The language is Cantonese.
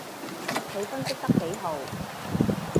佢分析得幾號